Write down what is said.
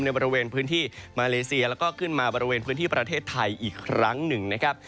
บริเวณพื้นที่มาเลเซียแล้วก็ขึ้นมาบริเวณพื้นที่ประเทศไทยอีกครั้งหนึ่งนะครับ